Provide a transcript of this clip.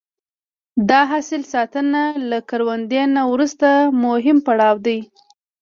د حاصل ساتنه له کروندې نه وروسته مهم پړاو دی.